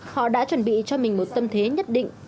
họ đã chuẩn bị cho mình một tâm thế nhất định